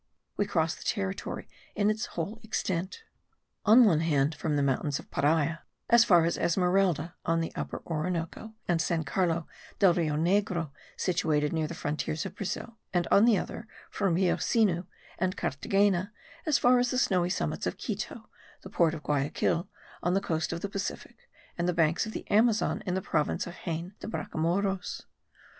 We crossed the territory in its whole extent; on one hand from the mountains of Paria as far as Esmeralda on the Upper Orinoco, and San Carlo del Rio Negro, situated near the frontiers of Brazil; and on the other, from Rio Sinu and Carthagena as far as the snowy summits of Quito, the port of Guayaquil on the coast of the Pacific, and the banks of the Amazon in the province of Jaen de Bracamoros.